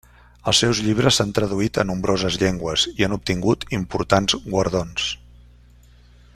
Els seus llibres s'han traduït a nombroses llengües i han obtingut importants guardons.